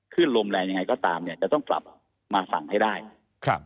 ขึ้นลมแรงยังไงก็ตามเนี่ยจะต้องกลับมาฝั่งให้ได้ครับ